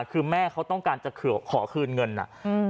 คือแม่เขาต้องการจะขอคืนเงินอ่ะอืม